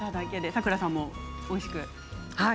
さくらさんもおいしく。